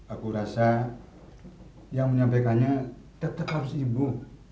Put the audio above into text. aku rasa yang menyampaikannya tetap harus ibu